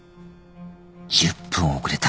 １０分遅れた。